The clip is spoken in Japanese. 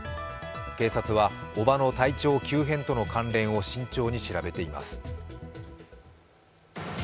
警察は叔母の体調急変との関連を慎重に調べています。